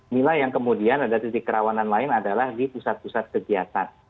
mila yang kemudian ada titik kerawanan lain adalah di pusat pusat kegiatan